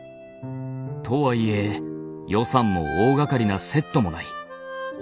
とはいえ予算も大がかりなセットもない。